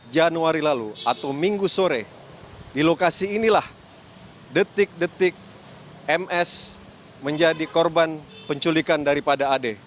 januari lalu atau minggu sore di lokasi inilah detik detik ms menjadi korban penculikan daripada ad